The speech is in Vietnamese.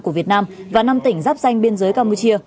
của việt nam và năm tỉnh giáp danh biên giới campuchia